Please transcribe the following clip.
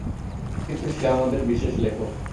কিন্তু সে আমাদের বিশেষ লেখক।